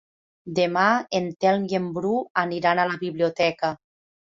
Demà en Telm i en Bru aniran a la biblioteca.